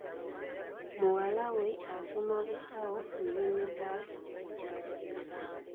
Muwala we asoma busawo ku univaasite.